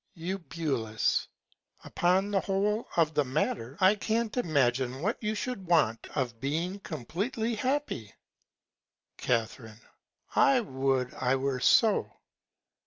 Eu. Upon the whole of the Matter, I can't imagine what you should want of being compleatly happy. Ca. I would I were so.